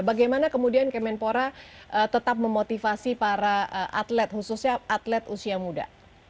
bagaimana kemudian kemenpora tetap memotivasi para atlet khususnya atlet usia muda